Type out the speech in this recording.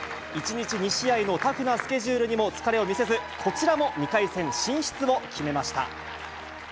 １日２試合のタフなスケジュールにも疲れを見せず、こちらも２回戦進出を決めました。